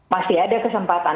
masih ada kesempatan